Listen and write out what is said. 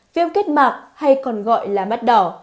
viêm kết mạc hay còn gọi là mắt đỏ